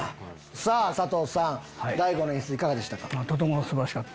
さぁ佐藤さん大悟の演出いかがでしたか？